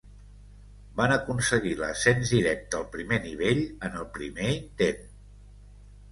Van aconseguir l'ascens directe al primer nivell en el primer intent.